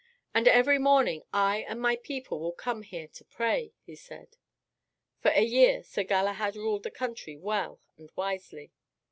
"And every morning I and my people will come here to pray," he said. For a year Sir Galahad ruled the country well and wisely.